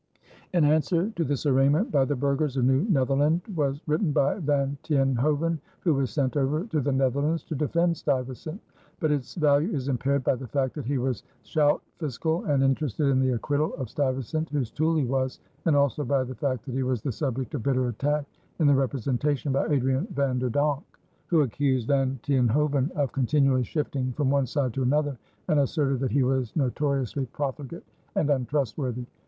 An answer to this arraignment by the burghers of New Netherland was written by Van Tienhoven, who was sent over to the Netherlands to defend Stuyvesant; but its value is impaired by the fact that he was schout fiscaal and interested in the acquittal of Stuyvesant, whose tool he was, and also by the fact that he was the subject of bitter attack in the Representation by Adrian Van der Donck, who accused Van Tienhoven of continually shifting from one side to another and asserted that he was notoriously profligate and untrustworthy.